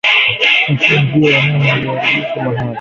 Mfungie mnyama aliyeathiriwa mahali